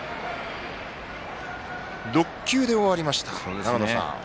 ６球で終わりました、長野さん。